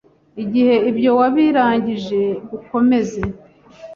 igihe ibyo wabirangije ukomeze